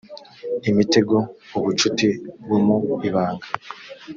imitego ubucuti bwo mu ibanga